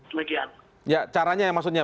sebagian ya caranya maksudnya